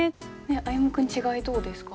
歩夢君違いどうですか？